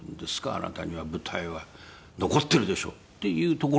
あなたには舞台が残ってるでしょ！」っていうところからですね。